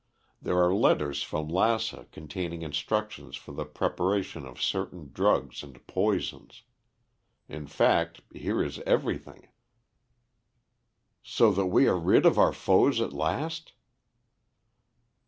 There are letters from Lassa containing instructions for the preparation of certain drugs and poisons; in fact, here is everything." "So that we are rid of our foes at last?"